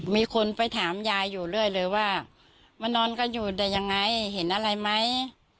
มีคนไปถามยายอยู่เรื่อยเลยว่ามานอนกันอยู่แต่ยังไงเห็นอะไรไหม